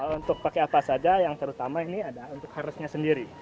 untuk pakai apa saja yang terutama ini ada untuk harusnya sendiri